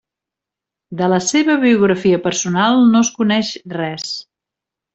De la seva biografia personal no es coneix res.